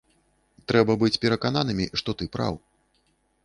Трэба быць перакананымі, што ты праў.